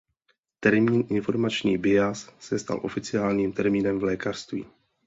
Termín informační bias se stal oficiálním termínem v lékařství.